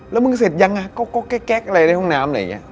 แล้วมึงเสร็จยังอ่ะก็แก๊กอะไรในห้องน้ำอะไรอย่างนี้